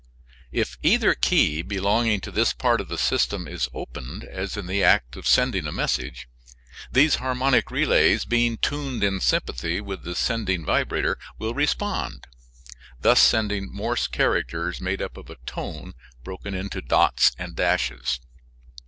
If either key belonging to this part of the system is opened, as in the act of sending a message, these harmonic relays, being tuned in sympathy with the sending vibrator, will respond, thus sending Morse characters made up of a tone broken into dots and dashes.